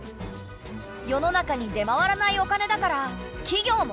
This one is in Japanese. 世の中に出回らないお金だから企業も借りられない。